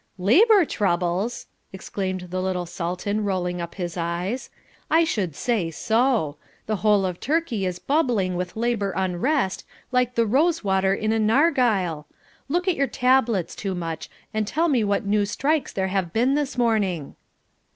"Labour troubles!" exclaimed the little Sultan rolling up his eyes. "I should say so. The whole of Turkey is bubbling with labour unrest like the rosewater in a narghile. Look at your tablets, Toomuch, and tell me what new strikes there have been this morning."